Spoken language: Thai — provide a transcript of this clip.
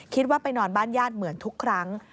ไปนอนบ้านญาติเหมือนทุกครั้ง